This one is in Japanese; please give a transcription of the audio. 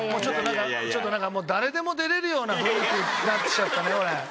ちょっとなんか誰でも出れるような雰囲気になってきちゃったねこれ。